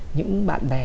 những bạn bè